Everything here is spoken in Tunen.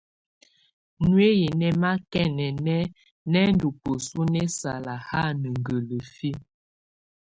Nuiyi nɛ makɛnɛnɛ nɛndɔ bəsu nɛsala ha nə gələfiə.